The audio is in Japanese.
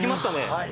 はい。